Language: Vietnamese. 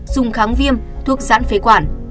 dùng kháng viêm thuốc giãn phế quản